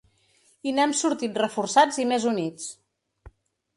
I n’hem sortit reforçats i més units.